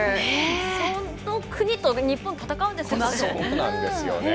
その国と日本戦うんですよね。